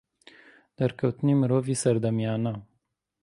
دەرکەوتنی مرۆڤی سەردەمیانە